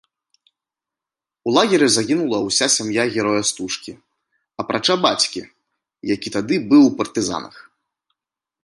У лагеры загінула ўся сям'я героя стужкі, апрача бацькі, які тады быў у партызанах.